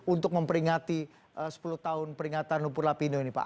untuk memperingati sepuluh tahun peringatan lumpur lapindo ini pak